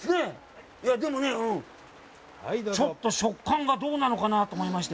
ちょっと食感がどうなのかなぁと思いまして。